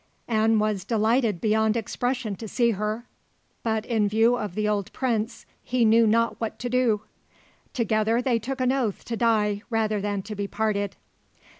An was delighted beyond expression to see her; but, in view of the old prince, he knew not what to do. Together they took an oath to die rather than to be parted.